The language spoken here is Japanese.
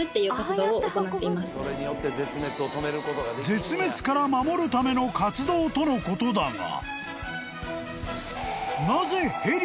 ［絶滅から守るための活動とのことだが］